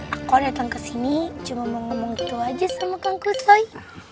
aku datang ke sini cuma mau ngomong gitu aja sama konklut saya